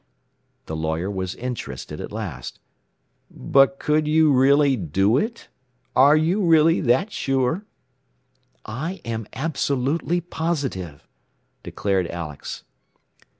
The lawyer was interested at last. "But could you really do it? Are you really that sure?" "I am absolutely positive," declared Alex.